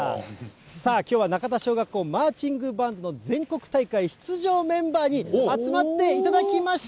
さあ、きょうは中田小学校、マーチングバンド全国大会出場メンバーに集まっていただきました。